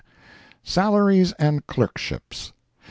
Salaries and Clerkships.